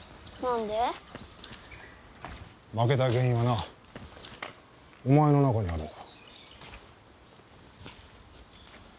負けた原因はな、お前の中にあるんだ。